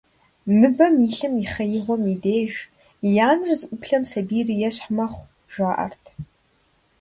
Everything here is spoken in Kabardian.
Ныбэм илъым и хъеигъуэм и деж, и анэр зыӀуплъэм сабийр ещхь мэхъу, жаӀэрт.